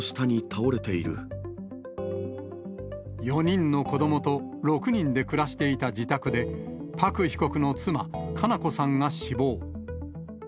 ４人の子どもと６人で暮らしていた自宅で、パク被告の妻、佳菜子さんが死亡。